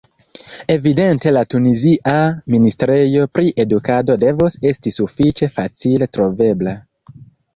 Evidente la Tunizia ministrejo pri edukado devos esti sufiĉe facile trovebla.